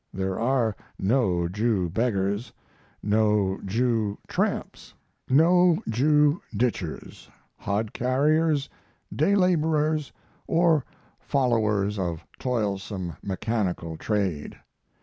There are no Jew beggars, no Jew tramps, no Jew ditchers, hod carriers, day laborers, or followers of toilsome mechanical trade.